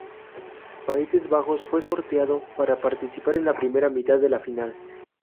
Países Bajos fue sorteado para participar en la primera mitad de la final.